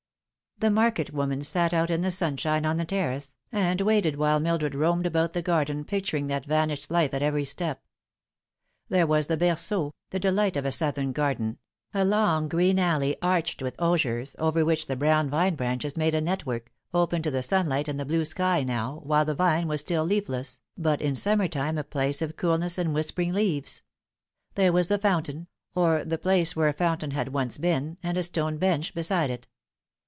The market woman sat out in the sunshine on the terrace, and waited while Mildred roamed about the garden, picturing that vanished life at every step. There was the berceau, the delight of a southern garden, a long, green alley, arched with osiers, over which the brown vine branches made a network, open to the sunlight and the blue sky now, while the vine was still leafless, but in summer time a place of coolness and whis pering leaves. There was the fountain or the place where a fountain had once been, and a stone bench beside it.